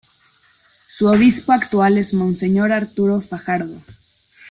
Su obispo actual es Monseñor Arturo Fajardo.